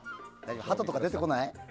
ハトとか出てこない？